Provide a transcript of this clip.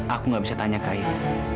aku gak bisa tanya ke aida